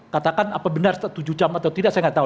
katakan apa benar tujuh jam atau tidak saya nggak tahu